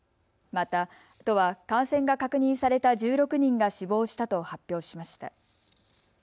また、都は感染が確認された１６人が死亡したと発表しました。